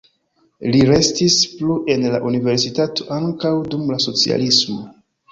Li restis plu en la universitato ankaŭ dum la socialismo.